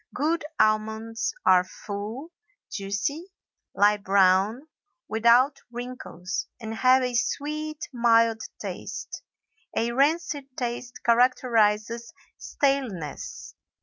Good almonds are full, juicy, light brown, without wrinkles, and have a sweet mild taste. A rancid taste characterizes staleness.